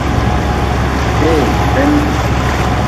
Hei ben.